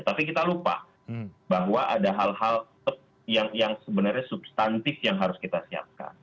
tapi kita lupa bahwa ada hal hal yang sebenarnya substantif yang harus kita siapkan